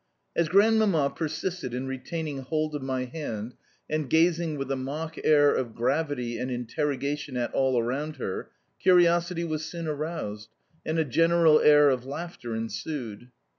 As Grandmamma persisted in retaining hold of my hand and gazing with a mock air of gravity and interrogation at all around her, curiosity was soon aroused, and a general roar of laughter ensued.